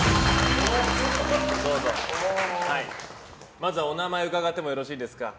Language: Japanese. まずはお名前伺ってもよろしいですか。